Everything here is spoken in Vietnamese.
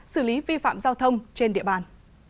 xử lý vi phạm giao thông trên địa bàn